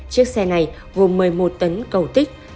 chiếc xe này gồm một mươi một tấn cầu tích